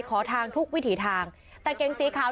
ขอทางทุกวิถีทางแต่เก๋งสีขาว